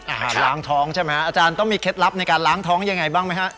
ล้างท้องใช่ไหมอาจารย์ต้องมีเคล็ดลับในการล้างท้องยังไงบ้างไหมฮะ